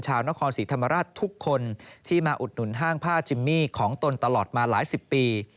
ชาวนครศรีธรรมราชทุกคนที่มาอุดหนุนห้างผ้าจิมมี่ของตนตลอดมาหลายสิบปี